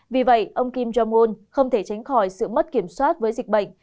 vì vậy ông kim jong un không thể tránh khỏi sự mất kiểm soát với dịch bệnh